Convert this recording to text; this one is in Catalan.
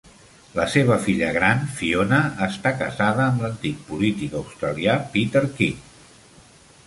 La seva filla gran, Fiona, està casada amb l'antic polític australià Peter King.